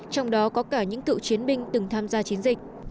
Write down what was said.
trong đó có cả những cựu chiến binh từng tham gia chiến dịch